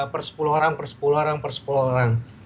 persepuluh orang persepuluh orang persepuluh orang